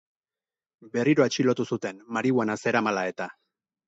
Berriro atxilotu zuten marihuana zeramala-eta.